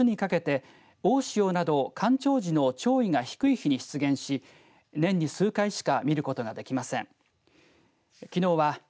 この砂浜は毎年、春から夏にかけて大潮など干潮時の潮位が低い日に出現し年に数回しか見ることができません。